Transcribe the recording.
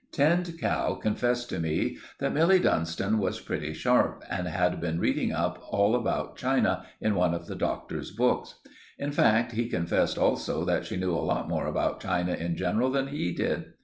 Tinned Cow confessed to me that Milly Dunstan was pretty sharp, and had been reading up all about China in one of the Doctor's books. In fact, he confessed also that she knew a lot more about China in general than he did.